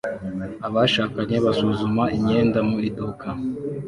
Abashakanye basuzuma imyenda mu iduka